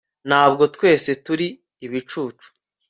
ntabwo twese turi ibicucu